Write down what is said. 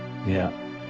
いや。